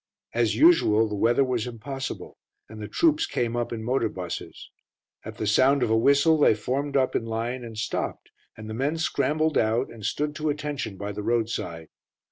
As usual, the weather was impossible, and the troops came up in motor buses. At the sound of a whistle, they formed up in line and stopped, and the men scrambled out and stood to attention by the roadside.